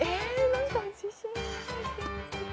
何だろ自信ない。